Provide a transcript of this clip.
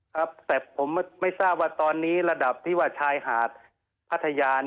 ครับแต่ผมไม่ทราบว่าตอนนี้ระดับที่ว่าชายหาดพัทยา